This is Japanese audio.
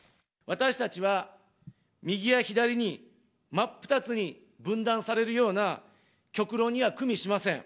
私たちは、右や左に真っ二つに分断されるような、極論にはくみしません。